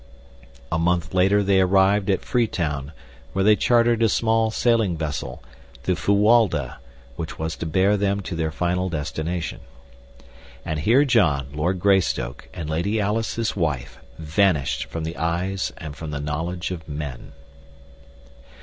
A month later they arrived at Freetown where they chartered a small sailing vessel, the Fuwalda, which was to bear them to their final destination. And here John, Lord Greystoke, and Lady Alice, his wife, vanished from the eyes and from the knowledge of men.